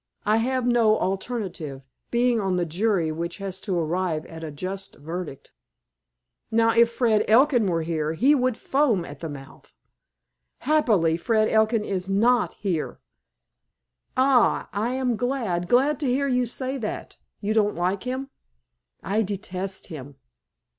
I have no alternative, being on the jury which has to arrive at a just verdict. Now, if Fred Elkin were here, he would foam at the mouth." "Happily, Fred Elkin is not here." "Ah, I am glad, glad, to hear you say that. You don't like him?" "I detest him."